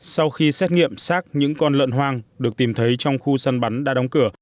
sau khi xét nghiệm sát những con lợn hoang được tìm thấy trong khu sân bắn đã đóng cửa